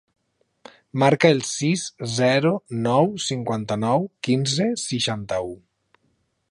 Marca el sis, zero, nou, cinquanta-nou, quinze, seixanta-u.